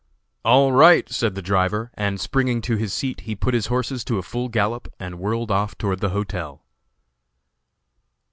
] "All right," said the driver, and springing to his seat he put his horses to a full gallop, and whirled off toward the hotel.